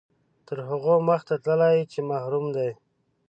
تر هغو مخته تللي چې محروم دي.